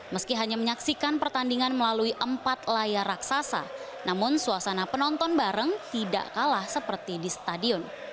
meski hanya menyaksikan pertandingan melalui empat layar raksasa namun suasana penonton bareng tidak kalah seperti di stadion